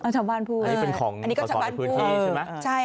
อันนี้เป็นของเกาะจบไม่ได้ผู้ที่ใช่ไหม